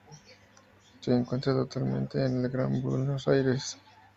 Se encuentra totalmente en el Gran Buenos Aires.